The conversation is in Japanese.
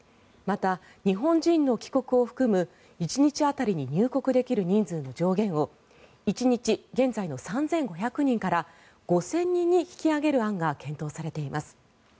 また、日本人の帰国を含む１日当たりに入国できる人数の上限を１日、現在の３５００人から５０００人に引き上げる案が検討されています。